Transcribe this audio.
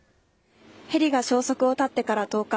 ヘリが消息を絶ってから１０日。